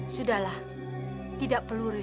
sudahlah tidak perlu risau